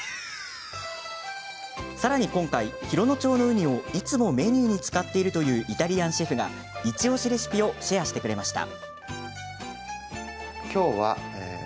さらに、今回、洋野町のウニをいつもメニューに使っているというイタリアンシェフがイチおしレシピをシェアしてくれました。